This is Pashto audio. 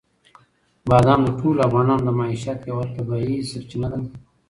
بادام د ټولو افغانانو د معیشت یوه طبیعي سرچینه ده.